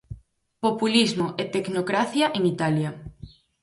Populismo e tecnocracia en Italia.